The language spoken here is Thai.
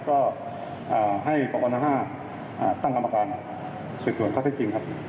ก็ให้ปกรณหาตั้งกรรมการสื่อตรวจเขาได้จริงครับ